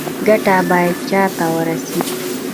ګټه باید چا ته ورسي؟